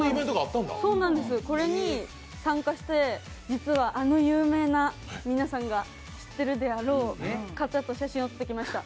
これに参加して、あの有名な皆さんが知っているであろう方と写真を撮ってきおました。